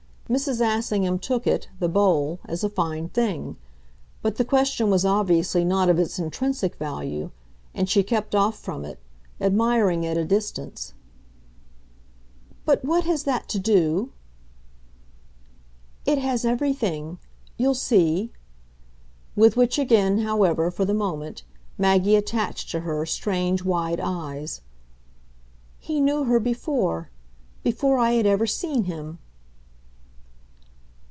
Mrs. Assingham took it, the bowl, as a fine thing; but the question was obviously not of its intrinsic value, and she kept off from it, admiring it at a distance. "But what has that to do ?" "It has everything. You'll see." With which again, however, for the moment, Maggie attached to her strange wide eyes. "He knew her before before I had ever seen him."